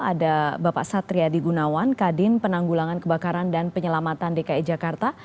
ada bapak satri adi gunawan kadin penanggulangan kebakaran dan penyelamatan dki jakarta